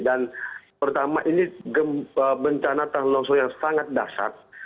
dan pertama ini bencana tanah longsor yang sangat dasar